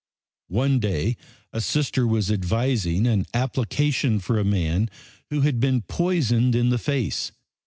One day a Sister was advising an application for a man who had been poisoned in the face.